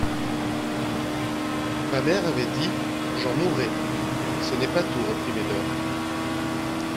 Ma mère avait dit : «J'en mourrai.» Ce n'est pas tout, reprit Médor.